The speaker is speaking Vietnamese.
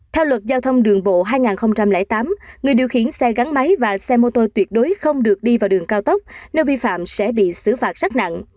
theo luật giao thông đường bộ hai nghìn tám người điều khiển xe gắn máy và xe mô tô tuyệt đối không được đi vào đường cao tốc nơi vi phạm sẽ bị xử phạt rất nặng